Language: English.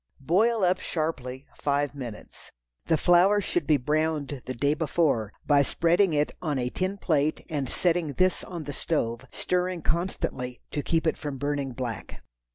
Boil up sharply five minutes. The flour should be browned the day before, by spreading it on a tin plate and setting this on the stove, stirring constantly to keep it from burning black.